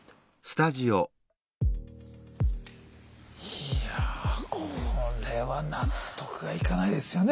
いやあこれは納得がいかないですよね